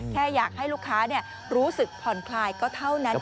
แค่อยากให้ลูกค้ารู้สึกผ่อนคลายก็เท่านั้น